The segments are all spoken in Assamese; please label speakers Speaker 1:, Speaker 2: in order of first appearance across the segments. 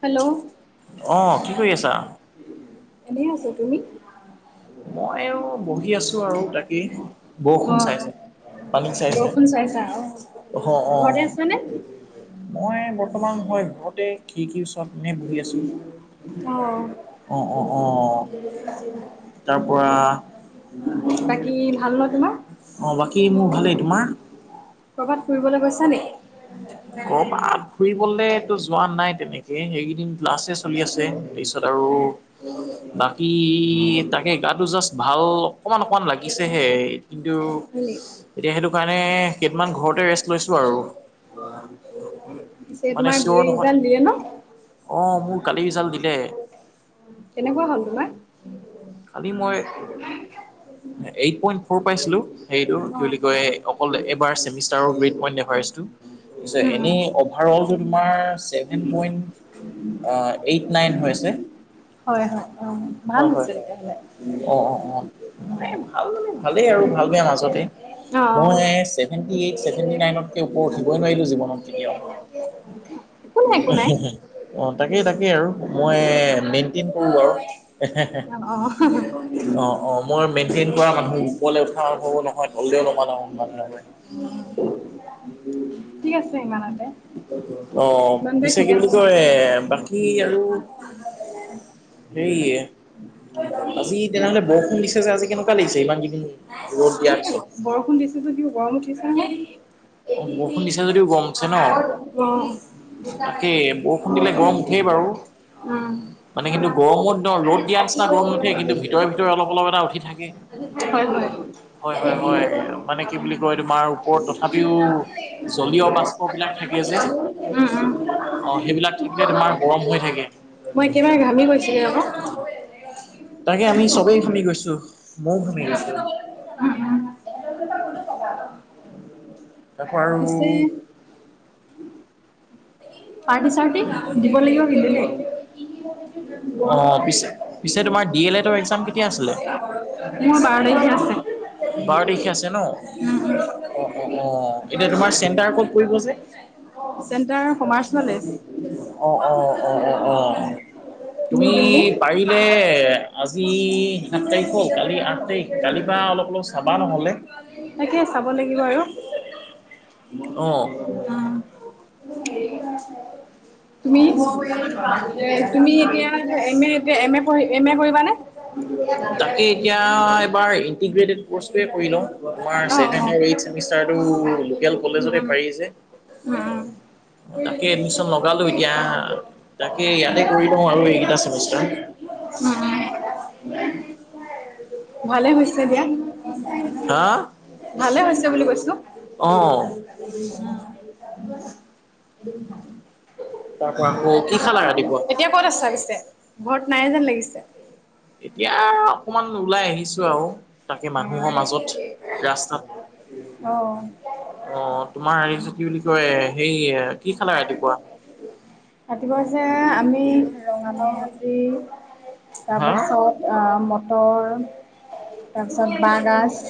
Speaker 1: হেল্ল'
Speaker 2: অ কি কৰি আছা?
Speaker 1: এনে আছো তুমি
Speaker 2: মই আৰু বহি আছো আৰু তাকে বৰষুণ চাইছোই
Speaker 1: গখোন চাইছ
Speaker 2: হয় অ মই বৰ্তমান হয় ঘৰতে কি কি তনে বহি আছো
Speaker 1: অ
Speaker 2: অ অ অ তাৰ পৰা
Speaker 1: বাকী ভাল ন তোমাৰ
Speaker 2: অ বাকী মোৰ ভালেই তোমাৰ
Speaker 1: ক'ৰবাত ফুৰিবলৈ গৈছা নেকি
Speaker 2: অ পাত ফুৰিবলেতো যোৱা নাই তেনেকে সেইকেইদিন গ্লাছে চলি আছে তাৰপিছত আৰু বাকী তাকে গাটো জাষ্ট ভাল অকমান অকমান লাগিছেহে কিন্তু
Speaker 1: হয় নেকি
Speaker 2: এতিয়া সেইটো কাৰণে কেইটান ঘৰতে লৈছো আৰু
Speaker 1: পিছে
Speaker 2: মানে
Speaker 1: তোমাৰ
Speaker 2: চিয়ৰ
Speaker 1: বিয়
Speaker 2: নহয়
Speaker 1: সডাল বিয়ে ন
Speaker 2: অ মোৰ কালি জাল দিলে
Speaker 1: তেনেকুৱা হ'ল তোমাৰ
Speaker 2: আমি মই প ফ পাইছিলো হ
Speaker 1: অ
Speaker 2: কি বুলি ক অকলবাৰ [inaudible]
Speaker 1: উম উম
Speaker 2: অ এইট নাইন আ হৈছে
Speaker 1: হয় হয় অ ভাল আছ এতিয়াহলে
Speaker 2: অ অ অ মানে ভাল মানে ভালেই আৰু ভাল বে মাজতে
Speaker 1: অ অ
Speaker 2: [unintelligible] নাইনতকে ওপৰত উঠিবই নোৱাৰিলো জীৱনত কেতিয়াও
Speaker 1: একো নাই একো নাই
Speaker 2: অ তাকেই তাকেই আৰু মই মেইনটেইন কৰো আৰু
Speaker 1: অ অ
Speaker 2: অ অ মই মেইনটেইন কৰা মানুহ ওপৰ উঠা হব নহয় দললেও [unintelligible]
Speaker 1: উম ইমানতে
Speaker 2: অ',
Speaker 1: ইমানটোৱে
Speaker 2: পিছে
Speaker 1: ঠিক
Speaker 2: কি
Speaker 1: আছে
Speaker 2: বুলি কয় বাকী আৰু হেৰি আজি তেনেহলে বৰষুণ দিছে যে আজি কেনেকুৱা লাগিছে ইমান কেইদিন ৰ'দ দিয়াৰ পিছত
Speaker 1: [unintelligible] গৰম উঠিছে
Speaker 2: বৰষুণ দিছে যদিও গৰম উঠছে ন তাকেই বৰষুণ দিলে গৰম
Speaker 1: ন
Speaker 2: উঠেই বাৰু
Speaker 1: [unintelligible] [unintelligible]
Speaker 2: মানে কিন্তু গৰমত ন ৰ'দ দিয়া নিচিনা গৰম কিন্তু ভিতৰে ভিতৰে অলপ অলপ এটা উঠি থাকে।
Speaker 1: হয় হয়।
Speaker 2: হয় হয় হয় মানে কি বুলি কয়। তাৰ ওপৰত তথাপিও জ্বলীয় বাষ্প বিলাগ থাকে যে
Speaker 1: উম, উম,
Speaker 2: অ সেইবিলাক থাকিলে তোমাৰ গৰম হৈ থাকে।
Speaker 1: মই একেবাৰে ঘামি গৈছিলো আকৌ
Speaker 2: তাকে আমি চবেই ঘামি গৈছো ময়ো ঘামি গৈছো। তাৰপৰা আৰু
Speaker 1: পিছে পাৰ্টি চাৰ্টি দিব লাগিব কিন্তু দে [inaudible]
Speaker 2: অ পিছে পিছে তোমাৰ ডি এল এডৰ এক্জাম কেতিয়া
Speaker 1: মোৰ বাৰ তাৰিখে আছে।
Speaker 2: বাৰতাৰিখে আছে ন অ অ অ এতিয়া তোমাৰ চেণ্টাৰ কত পৰিব যে
Speaker 1: চল্লিছ
Speaker 2: অ অ অ অ অ অ
Speaker 1: নিউ
Speaker 2: তুমি
Speaker 1: বিল্ডিং
Speaker 2: পাৰিলে। আজি সাত তাৰিখ হ'ল কালি আঠ তাৰিখ কালিৰ পৰা অলপ অলপ চাবা নহ'লে
Speaker 1: তাকে [unintelligible]
Speaker 2: অ'
Speaker 1: তুমি এ তুমি এতিয়া এম এ এতিয়া এম এ পঢ়ি এম এ কৰিবানে?
Speaker 2: [unintelligible] তাকে এতিয়া এবাৰ ইণ্টিগ্ৰেটেড
Speaker 1: অ', অ',
Speaker 2: [unintelligible] এই ছেমিষ্টাৰটো
Speaker 1: উম, উম,
Speaker 2: কলেজতে পাৰি‌ যে
Speaker 1: উম, উম,
Speaker 2: তাকে এডমিচন লগালো এতিয়া তাকে ইয়াতে কৰি লওঁ আৰু এইকেইটা চেমিষ্টাৰ
Speaker 1: উম ভালে হৈছে দিয়া
Speaker 2: হা
Speaker 1: ভালে হৈছে বুলি কৈছো।
Speaker 2: অ', তাৰ পৰা আকৌ কি খালা ৰাতিপুৱা?
Speaker 1: এতিয়া কত আছা পিছে ঘৰত নাই যেন লাগিছে।
Speaker 2: এতিয়া অকমান ওলাই আহিছো আৰু তাকে মা
Speaker 1: অ',
Speaker 2: অ', তোমাৰ হেৰি কি বুলি কয় সেই
Speaker 1: ৰাতিপুৱা হৈছে আমি ৰঙালাও ভাজি [unintelligible]
Speaker 2: হা
Speaker 1: তাৰপাছত মটৰ তাৰপিছত বাঁহগাজ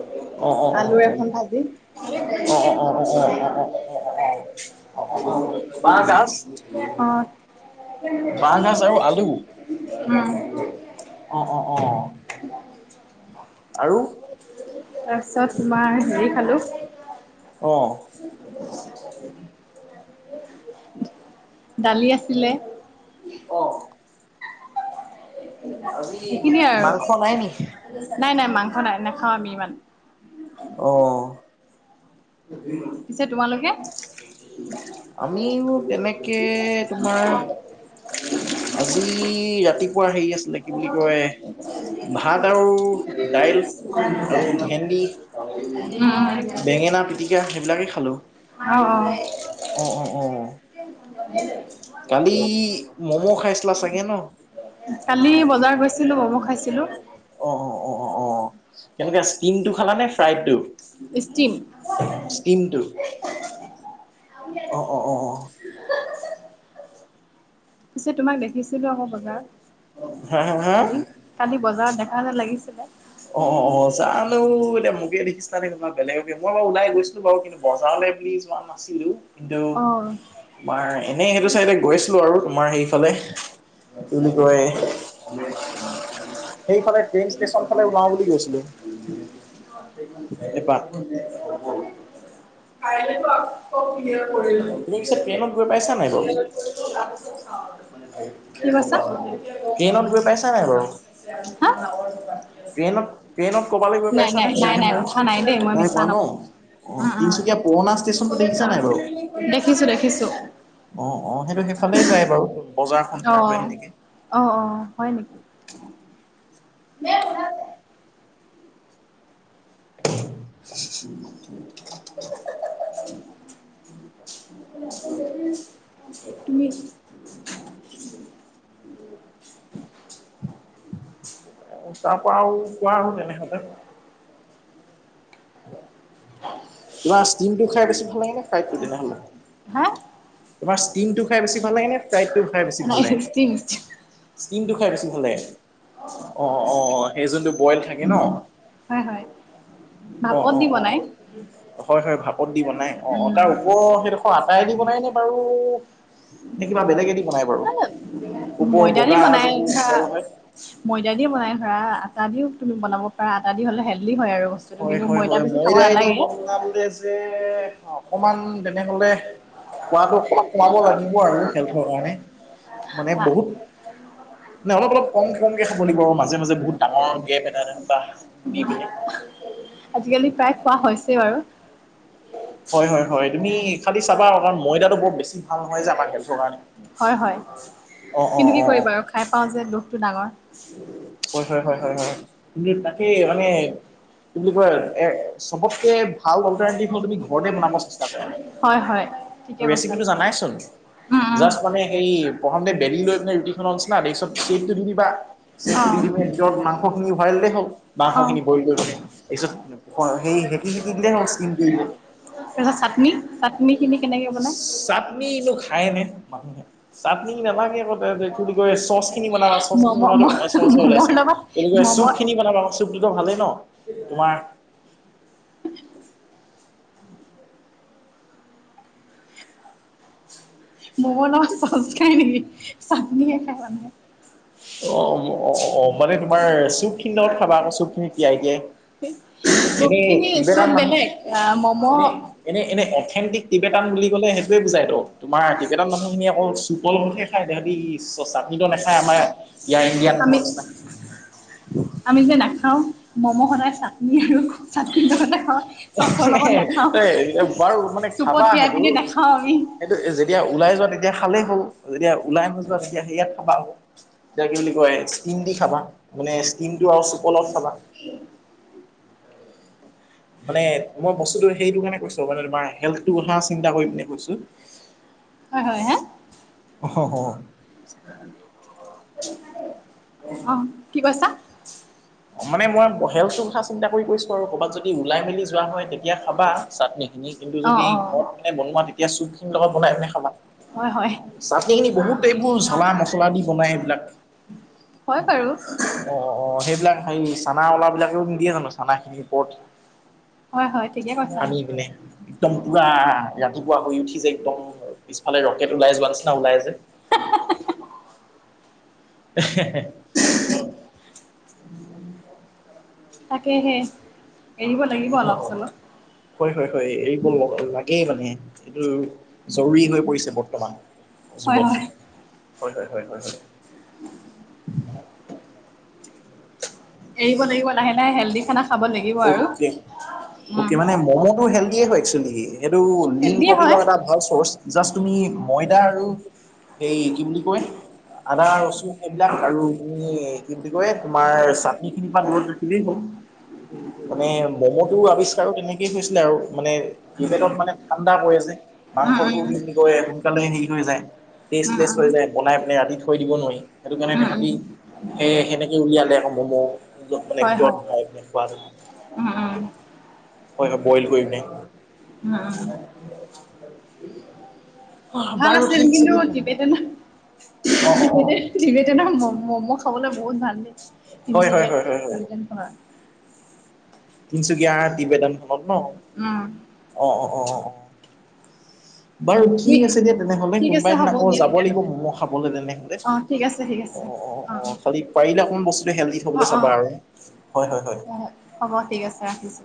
Speaker 2: অ',
Speaker 1: আলুৰ এখন
Speaker 2: অ,
Speaker 1: ভাজি
Speaker 2: অ, অ, অ, অ',
Speaker 1: অ', অ, অ',
Speaker 2: বাঁহগাজ আৰু আলু
Speaker 1: [unintelligible]
Speaker 2: অ অ অ আৰু
Speaker 1: তাৰপিছত তোমাৰ হেৰি খালোঁ
Speaker 2: অ',
Speaker 1: দালি আছিলে।
Speaker 2: অ', আজি
Speaker 1: সেইখিনিয়ে আৰু
Speaker 2: মাংস নাই নি?
Speaker 1: নাই নাই মাংস নাই নাখাও আমি ইমান
Speaker 2: অ',
Speaker 1: পিছে তোমালোকে
Speaker 2: আমিও তেনেকে তোমাৰ আজি ৰাতিপুৱা হেৰি আছিলে কি বুলি
Speaker 1: উম।
Speaker 2: কয় ভাত আৰু দাইল
Speaker 1: [inaudible]
Speaker 2: আৰু ভেন্দি,
Speaker 1: [inaudible]
Speaker 2: গতিকে সেইবিলাকেই খালোঁ। অঁ', অঁ', অঁ। কালি ম'ম' খাইছিলা চাগে ন।
Speaker 1: কালি বজাৰ গৈছিলো, মমু খাইছিলো।
Speaker 2: অ', অ', অ', অ', অ কেনেকে ষ্টিম টো খালা নে, ফ্ৰাইড টো।
Speaker 1: ষ্টিম।
Speaker 2: অ', অ', অ', অ।
Speaker 1: পিছে তোমাক দেখিছিলো আকৌ বজাৰত।
Speaker 2: হা, হা, হা?
Speaker 1: কালি কালি বজাৰত দেখা যেন লাগিছিলে।
Speaker 2: অ', অ', অ জানো এতিয়া মোকে দেখিছিল তো বেলেগক মই বাৰ লাই গৈছিলো বাৰু কিন্তু বজাৰলৈ বুলি যোৱা নাছিলো। কিন্তু
Speaker 1: অ
Speaker 2: তোমাৰ এনেই সেইটো চাইডে গৈছিলো আৰু তোমাৰ সেইফালে। কি বুলি কয়
Speaker 1: [inaudible]
Speaker 2: সেইখনে ট্ৰেইন ষ্টেচন ফে ওলাও বুলি গৈছিলো। এপাক
Speaker 1: [inaudible] [inaudible]
Speaker 2: তুমি পিছে ট্ৰেইনত গৈ পাইছা নাই বাৰু
Speaker 1: কি কৈছ
Speaker 2: ট্ৰেইনত গৈ পাইছা নাই বাৰু
Speaker 1: হা?
Speaker 2: ট্ৰেইনত, ট্ৰেইনত ক'বালৈ গৈ
Speaker 1: নাই
Speaker 2: পাইছ
Speaker 1: নাই
Speaker 2: নে
Speaker 1: নাই
Speaker 2: ট্ৰেইন
Speaker 1: নাই
Speaker 2: গৈ
Speaker 1: উঠা দেই মই
Speaker 2: নাই
Speaker 1: মিছা
Speaker 2: পোৱা ন।
Speaker 1: নকওঁ
Speaker 2: অ, তিনচুকীয়া পুৰণা ষ্টেচনতো দেখিছা নাই বাৰু।
Speaker 1: দেখিছো দেখিছো
Speaker 2: অ', অ', সেইটো সেইফালে যায় বাৰু বজাৰখন। পাৰ
Speaker 1: অ',
Speaker 2: হৈ
Speaker 1: অ',
Speaker 2: সেনেকে
Speaker 1: অ হয় নেকি?
Speaker 2: [inaudible]
Speaker 1: [inaudible] তুমি? [inaudible]
Speaker 2: তাৰ পৰা আৰু কোৱা আৰু তেনেহলে। তোমাৰ ষ্টিমটো খাই বেছি ভাল লাগে নে, ফ্ৰাইডটো তেনেহলে।
Speaker 1: হা
Speaker 2: তোমাৰ ষ্টিমটো খাই বেছি ভাল লাগে নে, ফ্ৰাইডটো খাই বেছি
Speaker 1: নাই
Speaker 2: ভাল
Speaker 1: ষ্টিম
Speaker 2: লাগে।
Speaker 1: ষ্টিম
Speaker 2: ষ্টিমটো খাই বেছি ভাল লাগে। অ', অ', সেই যোনটো বইল থাকে ন।
Speaker 1: হয় হয়
Speaker 2: অ',
Speaker 1: ভাপত দি
Speaker 2: অ', অ',
Speaker 1: বনাই।
Speaker 2: হয়, হয় ভাপত দি বনাই অ, তাৰ ওপ সেইডোখৰ আটাই দি বনাই নে বাৰু। নে কিবা বেলেগে দি বনাই বাৰু? ওপৰৰ
Speaker 1: ময়দাদী
Speaker 2: বগা
Speaker 1: বনাই
Speaker 2: যোনটো চেল হয়।
Speaker 1: ময়দা বনাই ধৰা আটা দিও তুমি বনাব পাৰা আটা দি হ'লে হেল্ডি হয় আৰু বস্তুটো কিন্তু মই এ বেছি
Speaker 2: এৰাই দি
Speaker 1: নালাগে
Speaker 2: বননাবোৰে যে অকমান তেনেহলে খোৱাটো অকমান কমাব লাগিব আৰু হেল্থৰ কাৰণে মানে বহুত
Speaker 1: [inaudible] [inaudible]
Speaker 2: নাই অলপ অলপ কম কমকে খাব লাগিব আৰু মাজে মাজে বহুত ডাঙৰ গেপ এটা বা দি পিনে
Speaker 1: আজিকালি প্ৰায় খোৱা হৈছেই বাৰু।
Speaker 2: হয় হয় হয় তুমি খালি চাবা আৰু কাৰণ ময়দাটো বৰ বেছি ভাল নহয় যে আমাৰ হেল্থৰ কাৰণে
Speaker 1: হয়, হয়।
Speaker 2: অ অ
Speaker 1: কিন্তু কি
Speaker 2: অ অ
Speaker 1: কৰিবা আৰু খাই পাওঁ যে দুখ।
Speaker 2: হয়, হয়, হয়, হয়, হয় তুমি তাকে মানে কি বুলি কয় এ চবতকে ভাল অল্টাৰনেটিভ হল তুমি ঘৰতে বনাব চেষ্টা কৰা
Speaker 1: হয় হয় ঠিকে
Speaker 2: আৰু
Speaker 1: কৈছা
Speaker 2: ৰেচিপিটো জানাই। শন।
Speaker 1: উম উম
Speaker 2: জাষ্ট মানে সেই প্ৰথমতে বেলি লৈ ৰুটিখনৰ নিচিনা [inaudible] দি দিবা। চ তুলি দি পিনে ভিতৰত মাংস খিনি ভৰাই ললে হ'ল
Speaker 1: অ অ
Speaker 2: মাংস খিনি বইল কৰি পিনে তপিছত সেই হেঁতি, হেঁতি দিলে হওক স্কিনকৰিলে।
Speaker 1: তাৰ পিছত চাটনি চাটনি খিনি কেনেকে
Speaker 2: চাটনিটো
Speaker 1: বনাই
Speaker 2: নাগে আ কয় চচ খিনি বনাবা চচ
Speaker 1: মম ম
Speaker 2: চৰ্চা
Speaker 1: মমৰ
Speaker 2: ওলাইছে
Speaker 1: লগত
Speaker 2: তেনেকে
Speaker 1: মম
Speaker 2: চুপ খিনি বনাবা চুপটোতো ভালেই ন তোমাৰ
Speaker 1: উ ম, বনোৱা চচ খাই নেকি চাটনিহে খাই মানুহে
Speaker 2: অ-অ মানে তোমাৰ চুপ খিনি লগত খাবা আকৌ চুপ খিনি তিয়াই দিয়ে।
Speaker 1: চব
Speaker 2: এনে
Speaker 1: খিনি
Speaker 2: কিবেটাম
Speaker 1: চব
Speaker 2: মানে
Speaker 1: বেলেগ মম'
Speaker 2: এনে-এনে-এনে অথেণ্টিক টিবেটান বুলি ক'লে সেইটয়ে বুজাই তো তোমাৰ ক, কেইটান মানুহখিনি অকলৌ চুপৰ লগহে খাই তিহঁতি চাটনিতটো নেখায় আমাৰ ইয়াৰ ইণ্ডিয়ান [inaudible] [inaudible]
Speaker 1: আমি [inaudible] আমি যে নাখাওঁ ম-ম' সদায় চাটনি আৰু চাটনিৰ লগত নাখাওঁ চচৰ লগত নাখাওঁ।
Speaker 2: এ বাৰু মানে
Speaker 1: চুপত
Speaker 2: খাবা
Speaker 1: তিয়াই পিনি নাখাওঁ আমি
Speaker 2: সেইটো-সেইটো যেতিয়া ওলাই যোৱা তেতিয়া ভালেই হ'ল যেতিয়া ওলাই নযোৱা তেতিয়া স ইয়াত থাবা হ'ল তেতিয়া কি বুলি কয়। ষ্টিম দি খাবা মানে ষ্টিমটো আৰু চুপলত খাবা
Speaker 1: [inaudible]
Speaker 2: মানে মই বস্তুটো সেইটো কাৰণে কৈছো মানে তোমাৰ হেলটো হ চিন্তা কৰিম নে কৈছো।
Speaker 1: হয় হয় হা
Speaker 2: হ-হ
Speaker 1: [unintelligible]
Speaker 2: ন [inaudible] মানে মই বহেওচুৰ কথা চিন্তা কৰিছো, আৰু কৰ'বাত যদি ওলাই মেলি যোৱা হয় তেতিয়া খাবা চাটনি কিন্তু
Speaker 1: অ
Speaker 2: যদি
Speaker 1: অ
Speaker 2: ঘৰত মানে বনোৱা তেতিয়া চুপ খিনি লগত বনাই ম
Speaker 1: হয়-হয়
Speaker 2: [inaudible] অ-অ সেইবিলাক হে চানা ওলাবলাকেও নিদিয়ে জানো চানা খিনিৰ ওপৰত
Speaker 1: হয় হয় ঠিকে কৈছা
Speaker 2: সানি পিনে একদম পুৰা ৰাতিপুৱা শ উঠি যে একদম পিছফালে ৰকেট ওলাই যোৱা নিচিনাা ওলাই যে [inaudible]
Speaker 1: তাকেহে
Speaker 2: হয়-হয়-হয় এৰিব লাগেই মানে এইটো জৰুৰী হৈ পৰিছে। বৰ্তমান
Speaker 1: হয় হয়
Speaker 2: যুগত হয়-হয়-হয়-হয়-হয় [inaudible]
Speaker 1: এৰিব লাগিব লাহে-লাহে হেল্ডি খানা খাব লাগিব আৰু
Speaker 2: অ'কে মানে মমটো হেলিয়ে হয়েল সটো
Speaker 1: হেল্ডিয়ে
Speaker 2: প্ৰ এ
Speaker 1: হয়
Speaker 2: ভাল চচ জাত তুমি ময়দা আৰু এইে কি বুলি কয়। আদা ৰচুন এইবিলাক আৰু তুমি কি বুলি কয় তোমাৰ চাটি সিনিবা দূৰত ৰাখিলেই হ'ল মানে ম'ম'টোও আৱিষ্কাৰো তেনেকেই হৈছিলে আৰু মানে কি পেটত মানে ঠাণ্ডা পৰি যে মাংসবোৰ কি বুলি-বুলি কয় সোনকালে হে হৈ যায়। টেষ্টলেছ হৈ যায় বনাই পেলাই ৰাতি থৈ দিব নোৱাৰি সেইটো কাৰণে
Speaker 1: উম উম
Speaker 2: তহঁতি সেই সেনেকে উলিয়ালে আকৌ মোক
Speaker 1: হয়-হয় উম-উম
Speaker 2: হয় হয় বইল কৰি পিনে
Speaker 1: [inaudible] ভাল
Speaker 2: বাৰু
Speaker 1: আছিল।
Speaker 2: ঠিক
Speaker 1: কিন্তু [unintelligible]
Speaker 2: আছে অ অ অ
Speaker 1: [unintelligible] তে ন ম-ম' খাবলৈ বহুত ভাল দ
Speaker 2: হয় হয়
Speaker 1: তিনচুকীয়া [unintelligible]
Speaker 2: হয় হয় হয়
Speaker 1: [unintelligible]
Speaker 2: তিনচুকীয়া তিবদনখনত ন
Speaker 1: উম
Speaker 2: অ-অ-অ-অ বাৰু
Speaker 1: তুমি
Speaker 2: ঠিক আছে। দিয়া তেনেহলে,
Speaker 1: ঠিক
Speaker 2: কোনোবা
Speaker 1: আছে
Speaker 2: এদিন
Speaker 1: হ'ব
Speaker 2: আকৌ
Speaker 1: দিয়া
Speaker 2: যাব লাগিব
Speaker 1: তেতিয়াহ'লে।
Speaker 2: মম' খাবলৈ তেনেহলে
Speaker 1: অ ঠিক আছে ঠিক আছে অ
Speaker 2: অ-অ-অ খালি পাৰিলে অকমান বস্তুটো হেণ্ডি
Speaker 1: অ
Speaker 2: থবলৈ
Speaker 1: অ
Speaker 2: চাবা আৰু হয়, হয়, হয়।
Speaker 1: হ'ব ঠিক আছে ৰাখিছো